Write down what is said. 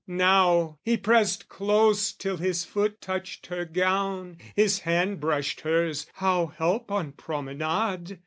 Now he pressed close till his foot touched her gown, His hand brushed hers, how help on promenade?